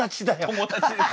友達です。